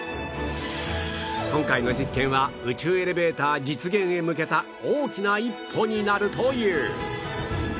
今回の実験は宇宙エレベーター実現へ向けた大きな一歩になるという